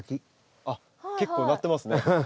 あっ結構なってますね。